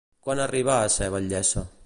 Quan arribà a ser batllessa?